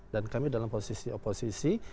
dan kami dalam posisi oposisi